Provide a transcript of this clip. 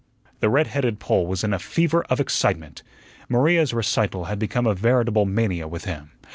The red headed Pole was in a fever of excitement. Maria's recital had become a veritable mania with him.